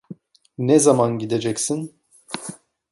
Ne zaman gideceksin?